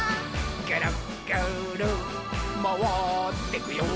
「ぐるぐるまわってくよ」